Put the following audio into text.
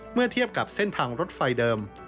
เมื่อเทียบกับเส้นทางรถไฟเดิม